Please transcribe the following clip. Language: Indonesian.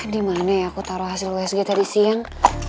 di mana ya aku taruh hasil usg tadi siang